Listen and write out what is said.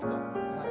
はい。